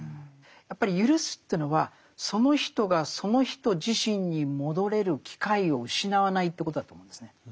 やっぱりゆるすというのはその人がその人自身に戻れる機会を失わないということだと思うんですね。